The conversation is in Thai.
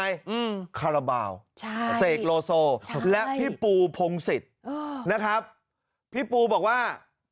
อืมคาราบาลใช่เสกโลโซครับและพี่ปูพงศิษย์นะครับพี่ปูบอกว่า